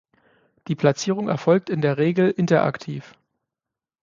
Die Platzierung erfolgt in der Regel interaktiv.